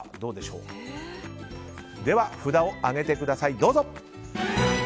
では、札を上げてください。